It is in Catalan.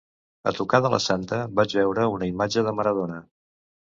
A tocar de la santa, vaig veure una imatge de Maradona.